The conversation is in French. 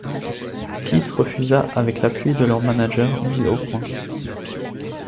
Kiss refusa avec l'appui de leur manager Bill Aucoin.